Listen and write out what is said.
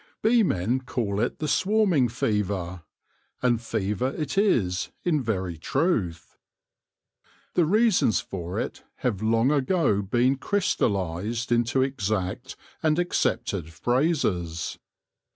Beemen call it the swarming fever ; and fever it is in very truth. The reasons for it have long ago THE MYSTERY OF THE SWARM 121 been crystallised into exact and accepted phrases.